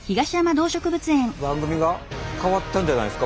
番組が変わったんじゃないですか？